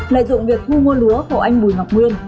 lợi dụng việc thu mua lúa hồ anh bùi ngọc nguyên